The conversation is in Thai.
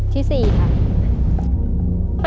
ที่๔ครับ